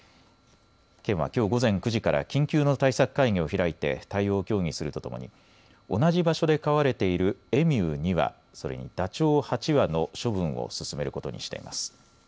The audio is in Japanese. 県はきょう午前９時から緊急の対策会議を開いて対応を協議するとともに同じ場所で飼われているエミュー２羽、それにダチョウ８羽の処分を進めることにしています。